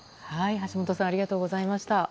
橋本さんありがとうございました。